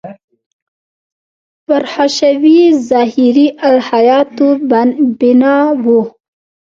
پر حشوي – ظاهري الهیاتو بنا و.